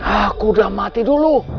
aku sudah mati dulu